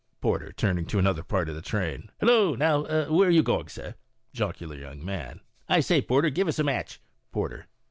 Porter (turning to another part of the train). u Hillo I Now, then, are you going, sir ?" Jocular Young Man. "I say, porter, give us a match." Porter.